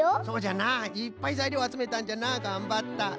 そうじゃないっぱいざいりょうあつめたんじゃなあ。がんばった。